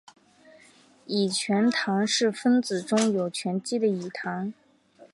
己醛糖是分子中有醛基的己糖。